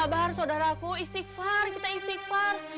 kabar saudaraku istighfar kita istighfar